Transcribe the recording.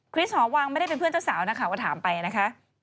หอวังไม่ได้เป็นเพื่อนเจ้าสาวนะคะก็ถามไปนะคะ